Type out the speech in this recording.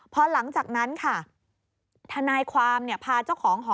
พอหลังจากนั้นค่ะทนายความพาเจ้าของหอ